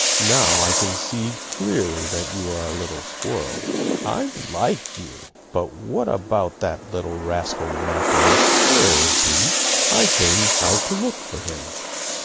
"Now I can see clearly that you are a little squirrel. I like you! But what about that little rascal, Mappo? Where is he? I came out to look for him.